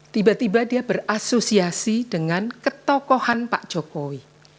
tiba tiba dia berasosiasi dengan ketokohan pak jokowi